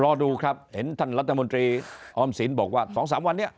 รอดูครับเห็นท่านรัฐมนตรีออมสินบอกว่า๒๓วันนี้